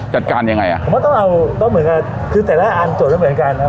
จัดการยังไงอ่ะผมก็ต้องเอาต้องเหมือนกับคือแต่ละอันจดไม่เหมือนกันนะครับ